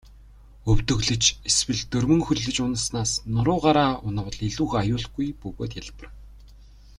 Өвдөглөж эсвэл дөрвөн хөллөж унаснаас нуруугаараа унавал илүү аюулгүй бөгөөд хялбар.